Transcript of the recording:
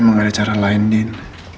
emang ada cara lain din